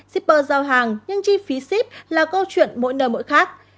shipper giao hàng nhưng chi phí ship là câu chuyện mỗi nơi mỗi khác